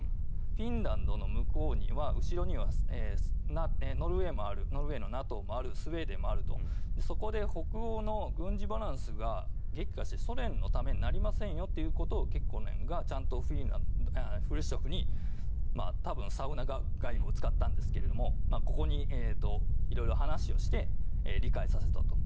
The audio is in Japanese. フィンランドの向こうには後ろにはノルウェーのＮＡＴＯもあるスウェーデンもあるそこで北欧の軍事バランスが激化してソ連のためになりませんよということをケッコネンがちゃんとフルシチョフに多分、サウナ外交を使ったんですがここに色々話をして理解させたと。